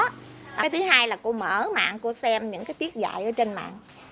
thứ hai là cô mở mạng cô xem những cái tiết dạy ở trên mạng